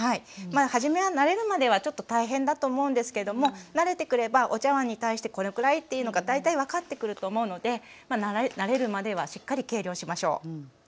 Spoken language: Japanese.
初めは慣れるまではちょっと大変だと思うんですけども慣れてくればお茶わんに対してこれくらいっていうのが大体分かってくると思うので慣れるまではしっかり計量しましょう。